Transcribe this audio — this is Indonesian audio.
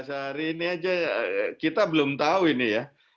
empat belas hari ini aja kita belum tahu ini ya